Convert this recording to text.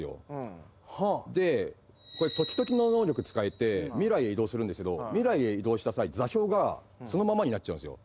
トキトキの能力使えて未来へ移動するんですけど未来へ移動した際座標がそのままになっちゃうんすよ。